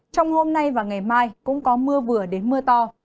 trong hôm nay và ngày mai cũng có mưa vừa đến mưa to